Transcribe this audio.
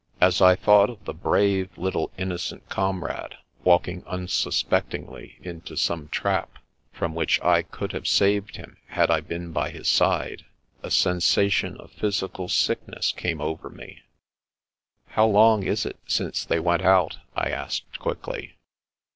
As I thought of the brave, innocent little comrade walking unsuspectingly into some trap from which I A Man from the Dark 193 could have saved him had I been by his side, a sen sation of physical sickness came over nie« " How long is it since they went out ?" I asked quickly.